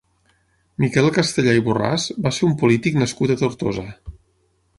Miquel Castellà i Borràs va ser un polític nascut a Tortosa.